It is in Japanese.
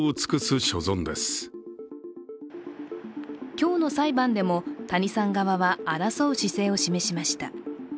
今日の裁判でも谷さん側は争う姿勢を示しました。